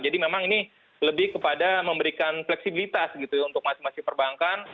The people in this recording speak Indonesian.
jadi memang ini lebih kepada memberikan fleksibilitas gitu untuk masing masing perbankan